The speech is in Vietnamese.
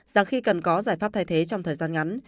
rằng khi cần có giải pháp thay thế trong thời gian ngắn